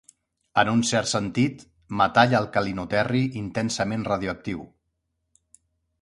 En un cert sentit, metall alcalinoterri intensament radioactiu.